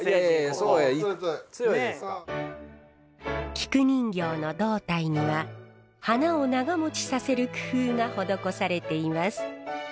菊人形の胴体には花を長もちさせる工夫が施されています。